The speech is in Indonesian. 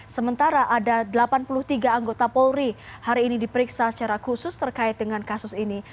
sementara ada delapan puluh tiga anggota polri hari ini diperiksa secara khusus terkait dengan kasus ini